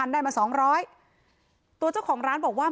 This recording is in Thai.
๒๐๐๐ได้มา๒๐๐ตัวเจ้าของร้านบอกว่า